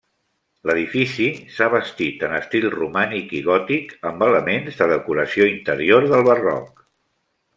L'edifici s'ha bastit en estil romànic i gòtic amb elements de decoració interior del barroc.